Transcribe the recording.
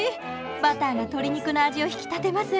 バターが鶏肉の味を引き立てます。